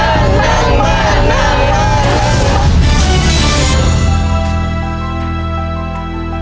น้ำมันน้ำมันน้ำมันน้ำมันน้ำมัน